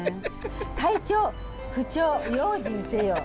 体調不調用心せよ。